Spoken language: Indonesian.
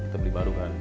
kita beli baru kan